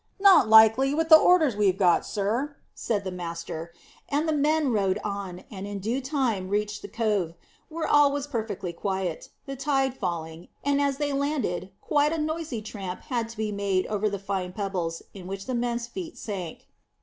"Not likely, with the orders we've got, sir," said the master; and the men rowed on, and in due time reached the cove, where all was perfectly quiet, the tide falling, and as they landed quite a noisy tramp had to be made over the fine pebbles, in which the men's feet sank.